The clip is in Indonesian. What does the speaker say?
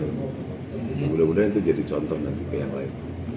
mudah mudahan itu jadi contoh nanti ke yang lain